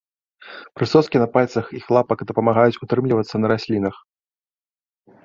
Прысоскі на пальцах іх лапак дапамагаюць утрымлівацца на раслінах.